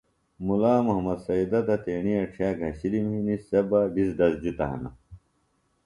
مُلا محمد سیدہ تہ تیݨی اڇھیہ گھشِلم ہنے سے بہ ڈِزڈز جِتہ ہِنہ